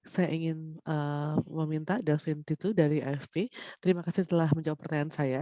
saya ingin meminta dalvin titu dari afp terima kasih telah menjawab pertanyaan saya